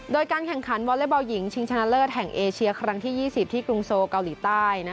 โดยการแข่งขันวอเล็กบอลหญิงชิงชนะเลิศแห่งเอเชียครั้งที่๒๐ที่กรุงโซเกาหลีใต้